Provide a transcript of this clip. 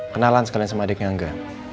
kenalan sekalian sama adiknya angga